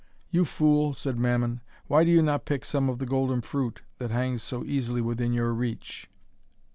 'You fool!' said Mammon, 'why do you not pick some of the golden fruit that hangs so easily within your reach?'